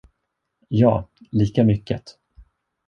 Ja, lika mycket.